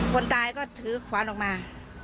คนตายก็ถือขวานออกมา